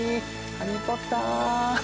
「ハリー・ポッター」